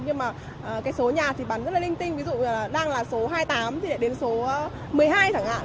nhưng mà cái số nhà thì bắn rất là linh tinh ví dụ là đang là số hai mươi tám thì lại đến số một mươi hai thẳng ạn